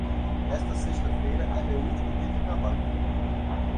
Esta sexta-feira é meu último dia de trabalho.